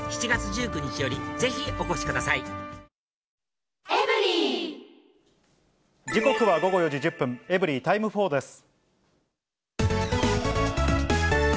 「メリット」時刻は午後４時１０分、エブリィタイム４です。